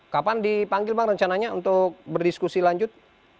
kapan dipanggil bang rencananya untuk berdiskusi lanjut